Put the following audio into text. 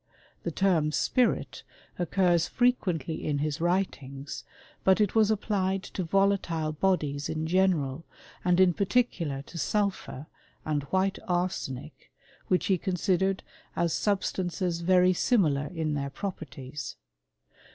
The term i^rit occurs frequently in his writings, but it was applied to volatile bodies in gene ral, and in particular to sulphur and white arsenic, which he considered as substances very similar in their properties.